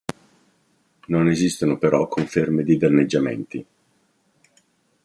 Non esistono però conferme di danneggiamenti.